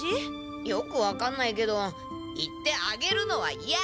よくわかんないけど言って「あげる」のはいや！